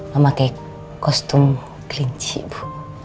memakai kostum kelinci bu